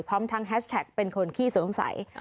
พร้อมทางแฮชแท็กเป็นคนขี้สวมใส